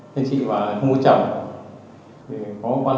thì chị ấy bảo là không có chồng